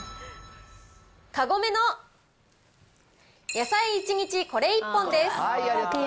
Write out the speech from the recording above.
カゴメの野菜一日これ一本です。